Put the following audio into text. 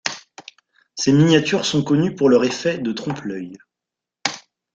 Ces miniatures sont connues pour leur effet de trompe-l'œil.